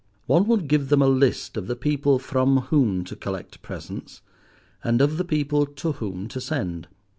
One would give them a list of the people from whom to collect presents, and of the people to whom to send.